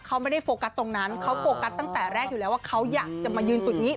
เขาไม่ได้โฟกัสตรงนั้นเขาโฟกัสตั้งแต่แรกอยู่แล้วว่าเขาอยากจะมายืนจุดนี้